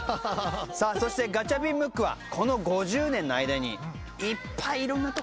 さあそしてガチャピンムックはこの５０年の間にいっぱいいろんなとこ行ったでしょ？